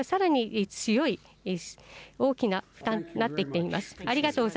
ですから、それがさらに強い大きな負担になってきています。